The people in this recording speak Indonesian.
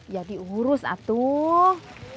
ya diurus atuh